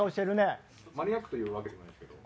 スタッフ：マニアックというわけでもないですけど。